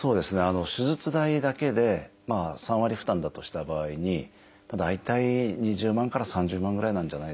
手術代だけで３割負担だとした場合に大体２０万から３０万ぐらいなんじゃないでしょうかね。